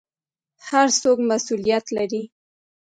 هر څوک مسوولیت لري